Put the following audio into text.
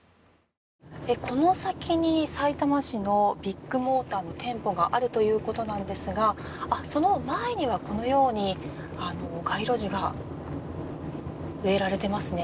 この先に、さいたま市のビッグモーターの店舗があるということなんですがその前には、このように街路樹が植えられていますね。